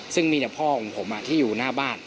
ซึ่งมีแต่พ่อของผมที่อยู่หน้าบ้าน